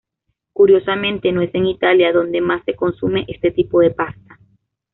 Curiosamente no es en Italia donde más se consume este tipo de pasta.